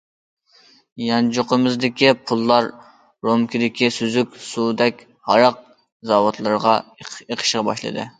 يانچۇقىمىزدىكى پۇللار رومكىدىكى سۈزۈك سۇدەك ھاراق زاۋۇتلىرىغا ئېقىشقا باشلىدى.